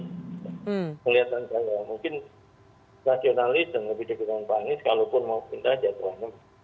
pengelihatan saya mungkin nasionalis dan lebih dekat dengan pak hanis kalaupun mau pindah jadwalnya